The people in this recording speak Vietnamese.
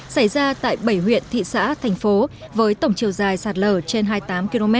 xảy ra tại bảy huyện thị xã thành phố với tổng chiều dài sạt lở trên hai mươi tám km